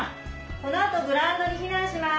このあとグラウンドにひなんします。